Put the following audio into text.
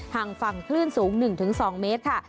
ห่างฝั่งคลื่นสูง๑๒เมตรค่ะ